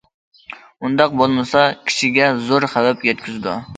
ئۇنداق بولمىسا، كىشىگە زور خەۋپ يەتكۈزىدۇ.